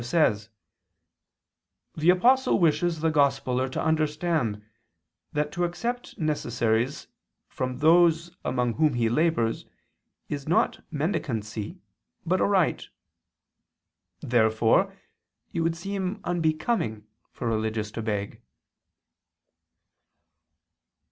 says: "The Apostle wishes the gospeler to understand that to accept necessaries from those among whom he labors is not mendicancy but a right." Therefore it would seem unbecoming for religious to beg.